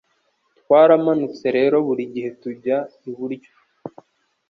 Twaramanutse rero burigihe tujya iburyo